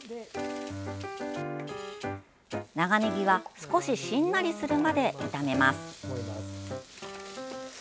長ねぎは、少ししんなりするまで炒めます。